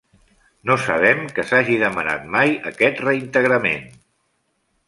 No sabem que s'hagi demanat mai aquest reintegrament.